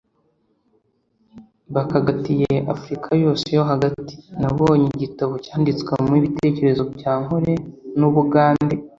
bakagatiye afrika yose yo hagati. nabonye igitabo cyanditswemo ibitekerezo bya nkore n’ubugande